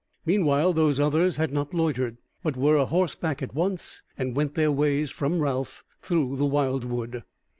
Meanwhile those others had not loitered, but were a horseback at once, and went their ways from Ralph through the wildwood.